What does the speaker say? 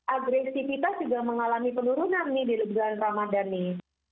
agresivitas juga mengalami penurunan nih di bulan ramadhan nih